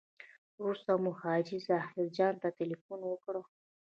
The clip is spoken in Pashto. وروسته مو حاجي ظاهر جان ته تیلفون وکړ.